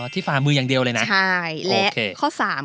ที่ฝามืออย่างเดียวเลยนะคะ